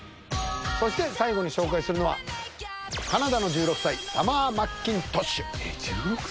そして最後に紹介するのはカナダの１６歳サマー・マッキントッシュ。